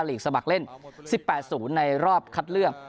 หลีกสมัครเล่นสิบแปดศูนย์ในรอบคัดเลือก